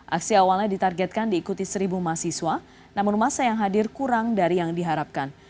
aksi awalnya ditargetkan diikuti seribu mahasiswa namun masa yang hadir kurang dari yang diharapkan